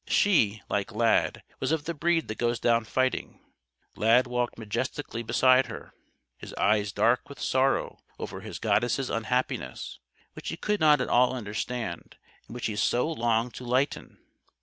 She, like Lad, was of the breed that goes down fighting. Lad walked majestically beside her, his eyes dark with sorrow over his goddess' unhappiness, which he could not at all understand and which he so longed to lighten.